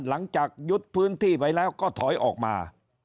หลังจากยึดพื้นที่ไปแล้วก็ถอยออกมา